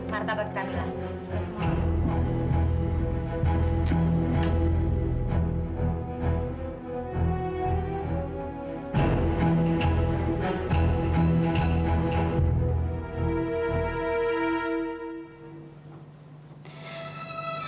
marta bagi kami lah